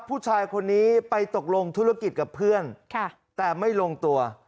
ผู้ชายคนนี้ไปตกลงธุรกิจกับเพื่อนแต่ไม่ลงตัว